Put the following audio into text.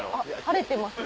晴れてます。